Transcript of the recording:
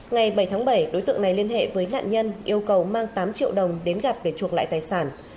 ngày bảy tháng bảy đối tượng này liên hệ với nạn nhân yêu cầu mang tám triệu đồng đến gặp để chuộc lại tài sản